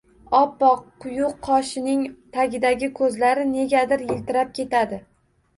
Oppoq quyuq qoshining tagidagi ko‘zlari negadir yiltirab ketadi.